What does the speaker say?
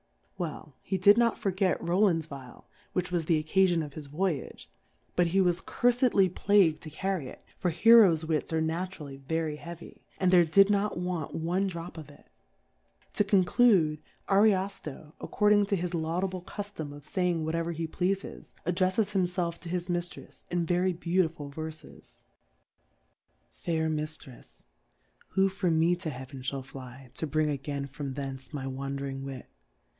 Well, he did not forget Kovo]and\ Vial, which was the Occafion of his Voyage ; but he was curfedly plagu'd to carry it, for Htro^s Wiis are natu^ rally very heavy, and there did not want one Drop of it : To conclude, Ariofto^ according to his laudable Cu flom of faying whatever he pleafes, ad drelTes himfclf to his Miitrefs in very beautiful Verfes. * Fair 'Mfirepy ivhofor ine to Heaven fiaU fly^ To hring again from thence my "d ahAririg IVit